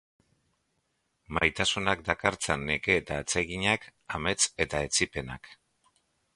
Maitasunak dakartzan neke eta atseginak, amets eta etsipenak.